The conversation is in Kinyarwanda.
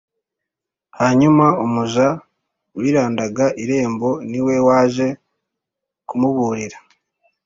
Hanyuma umuja warindaga irembo niwe waje kumubuurira